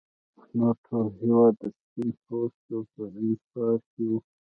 نور ټول هېواد د سپین پوستو په انحصار کې و.